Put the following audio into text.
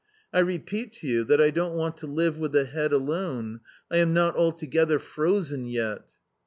I repeat to you, that I don't want to live with the head alone ; I am not altogether frozen yet."